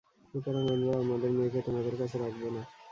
সুতরাং আমরাও আমাদের মেয়েকে তোমাদের কাছে রাখব না।